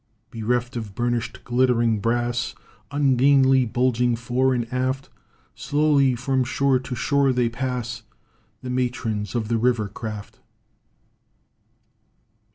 Bereft of burnished glittering brass, Ungainly bulging fore and aft, Slowly from shore to shore they pass The matrons of the river craft.